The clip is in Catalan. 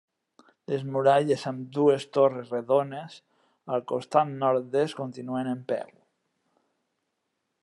Les muralles amb dues torres rodones al costat nord-est continuen en peu.